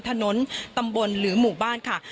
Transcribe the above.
ถนนตำบลหรือหมู่บ้านค่ะ